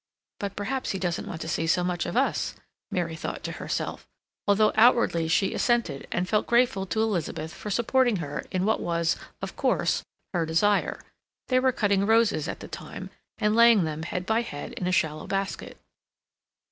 "But perhaps he doesn't want to see so much of us," Mary thought to herself, although outwardly she assented, and felt grateful to Elizabeth for supporting her in what was, of course, her desire. They were cutting roses at the time, and laying them, head by head, in a shallow basket.